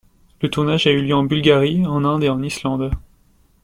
Le tournage a eu lieu en Bulgarie, en Inde et en Islande.